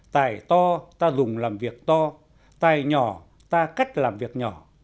tài to ta dùng làm việc to tài nhỏ ta cách làm việc nhỏ